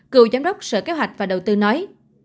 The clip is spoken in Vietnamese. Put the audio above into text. cựu giám đốc sở kế hoạch và đầu tư nói